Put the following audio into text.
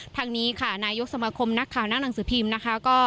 ทางนี้ค่ะนายกสมาคมนักข่าวหน้าหนังสือพิมพ์นะคะ